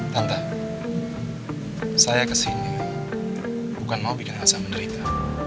tante saya kesini bukan mau bikin rasa menderita